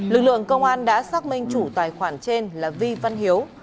lực lượng công an đã xác minh chủ tài khoản trên là vi văn hiếu